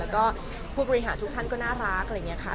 ก็ผู้บริหารทุกท่านก็น่ารักอะไรอย่างนี้ค่ะ